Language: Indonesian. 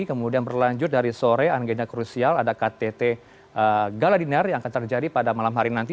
kemudian berlanjut dari sore anggenya krusial ada ktt galadinar yang akan terjadi pada malam hari nanti